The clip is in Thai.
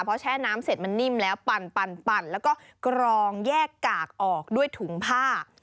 พอแช่น้ำเสร็จมันนิ่มแล้วปั่นแล้วก็กรองแยกกากออกด้วยถุงผ้า